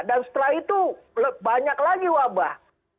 dan setelah itu banyak lagi wabah